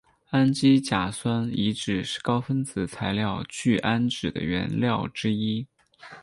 氨基甲酸乙酯是高分子材料聚氨酯的原料之一。